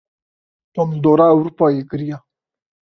Tom li dora Ewropayê geriya.